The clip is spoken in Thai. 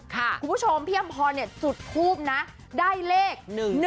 คุณผู้ชมเพียมพรจุดภูมิได้เลข๑๓๐